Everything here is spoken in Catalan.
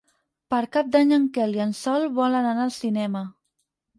Per Cap d'Any en Quel i en Sol volen anar al cinema.